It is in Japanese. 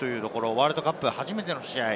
ワールドカップ初めての試合。